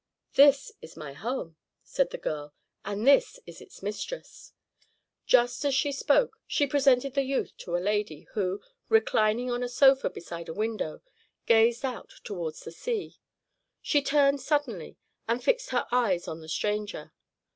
"This is my home," said the girl, "and this is its mistress." Just as she spoke, she presented the youth to a lady, who, reclining on a sofa beside a window, gazed out towards the sea. She turned suddenly, and fixed her eyes on the stranger.